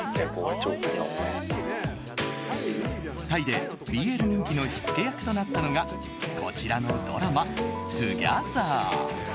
タイでＢＬ人気の火付け役となったのがこちらのドラマ「２ｇｅｔｈｅｒ」。